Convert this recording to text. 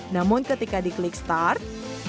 namun ketika di klik start